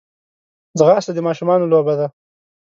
ځغاسته د ماشومانو لوبه ده